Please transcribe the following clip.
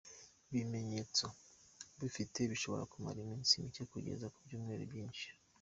Ibi bimenyetso ubifite bishobora kumara iminsi micye kugeza ku byumweru byinshi.